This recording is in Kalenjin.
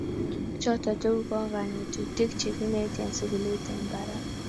Choto tugul ko kanetutik Che kineti eng sukulit an barak